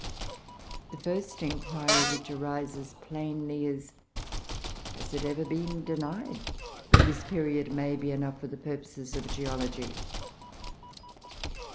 The first inquiry which arises plainly is, has it ever been denied that this period may be enough for the purposes of geology?